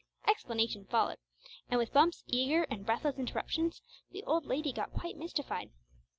Explanation followed, and with Bumps' eager and breathless interruptions, the old lady got quite mystified.